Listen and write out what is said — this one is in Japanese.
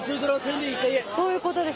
そういうことです。